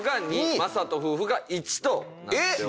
魔裟斗夫婦が１となっております。